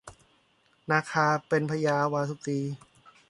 นาคาเป็นพญาวาสุกรี